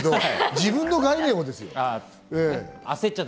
自分の概念をです。